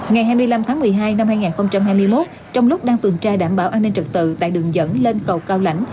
ngày hai mươi năm tháng một mươi hai năm hai nghìn hai mươi một trong lúc đang tuần tra đảm bảo an ninh trật tự tại đường dẫn lên cầu cao lãnh